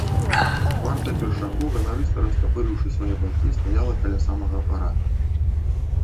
Кварта першаку, ганарыста растапырыўшы свае бакі, стаяла каля самага апарата.